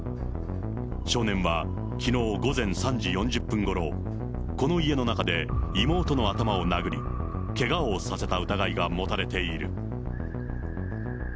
少年はきのう午前３時４０分ごろ、この家の中で妹の頭を殴り、けがをさせた疑いが持たれている。